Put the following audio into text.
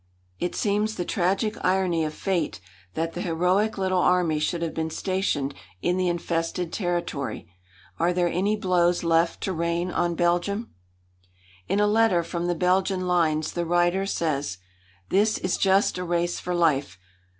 ft seems the tragic irony of fate that that heroic little army should have been stationed in the infested territory. Are there any blows left to rain on Belgium? In a letter from the Belgian lines the writer says: "This is just a race for life.